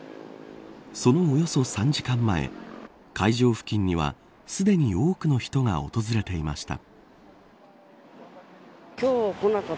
そのおよそ３時間前会場付近にはすでに多くの人が訪れていました。